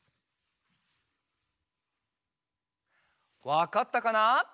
わかったかな？